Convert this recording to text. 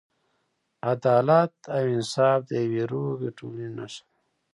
عدالت او انصاف د یوې روغې ټولنې نښه ده.